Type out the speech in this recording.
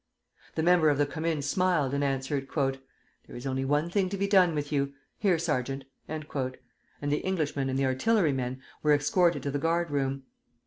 The member of the Commune smiled, and answered: "There is only one thing to be done with you. Here, sergeant!" And the Englishman and the artilleryman were escorted to the guard room.